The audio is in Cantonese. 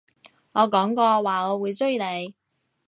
我講過話我會追你